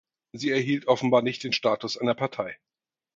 Sie erhielt offenbar nicht den Status einer Partei.